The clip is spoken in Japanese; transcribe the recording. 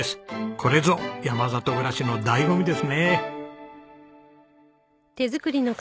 これぞ山里暮らしの醍醐味ですね。